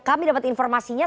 terdapat juga berlari raih